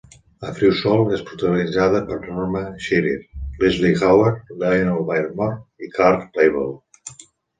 "A Free Soul" és protagonitzada per Norma Shearer, Leslie Howard, Lionel Barrymore i Clark Gable.